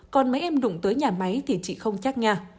còn mấy em đụng tới nhà máy thì chị không chắc nha